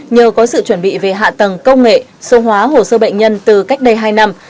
nhờ có sự chuẩn bị về hạ tầng công nghệ số hóa hồ sơ bệnh nhân từ cách đây hai năm